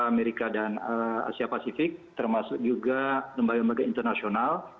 amerika dan asia pasifik termasuk juga lembaga lembaga internasional